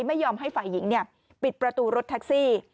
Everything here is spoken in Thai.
ไม่ยอมให้ฝ่ายหญิงปิดประตูรถแท็กซี่